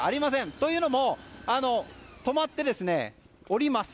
というのも、止まって降ります。